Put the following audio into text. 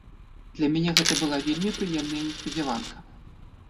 Для мяне гэта была вельмі прыемная неспадзяванка.